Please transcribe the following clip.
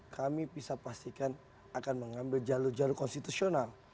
kami bisa pastikan akan mengambil jalur jalur konstitusional